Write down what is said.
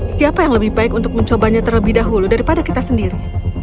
siapa yang lebih baik untuk mencobanya terlebih dahulu daripada kita sendiri